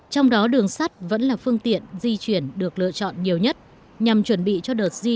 trong đó đường sắt vẫn là phương tiện di chuyển được lựa chọn nhiều nhất nhằm chuẩn bị cho đợt di